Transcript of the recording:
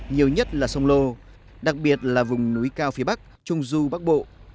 nhiều nhất là sông lô đặc biệt là vùng núi cao phía bắc trung du bắc bộ